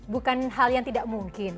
bukan hal yang tidak mungkin